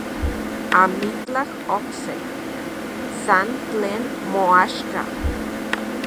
Amitlaj okse, san tlen moaxka.